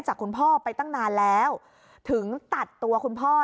คุณพ่อไปตั้งนานแล้วถึงตัดตัวคุณพ่อ